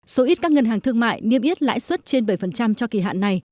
số ít các ngân hàng thương mại niêm yết lãi suất trên bảy cho kỳ hạn này